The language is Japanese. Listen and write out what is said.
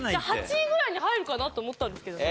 ８位ぐらいに入るかなと思ったんですけどね。